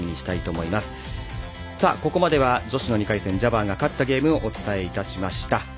ここまでは女子の２回戦ジャバーが勝ったゲームをお伝えいたしました。